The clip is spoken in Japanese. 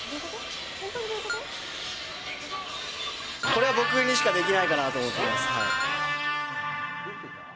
これは僕にしかできないかなと思っています。